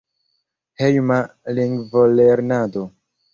Hejma lingvolernado.